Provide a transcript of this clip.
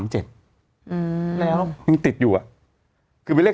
หรือเลข๓๔